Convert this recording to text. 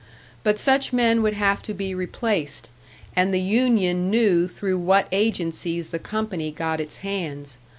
But such men would have to be replaced, and the union knew through what agencies the company got its hands.